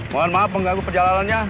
mohon maaf mengganggu perjalanannya